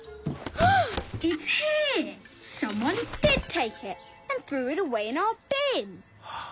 はあ。